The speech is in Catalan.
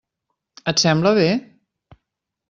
Et sembla bé?